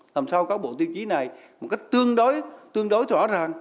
làm sao các bộ tiêu chí này một cách tương đối tương đối rõ ràng